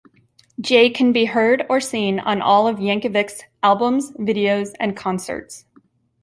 Jay can be heard or seen on all of Yankovic's albums, videos, and concerts.